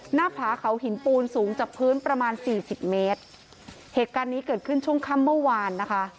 หน้าผาเขาหินปูนสูงจากพื้นประมาณสี่สิบเมตรเหตุการณ์นี้เกิดขึ้นช่วงค่ำเมื่อวานนะคะ